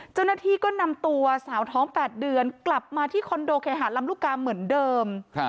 เจ้าหน้าที่ก็นำตัวสาวท้อง๘เดือนกลับมาที่คอนโดเคหาลำลูกกาเหมือนเดิม